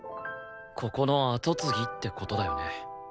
ここの後継ぎって事だよね？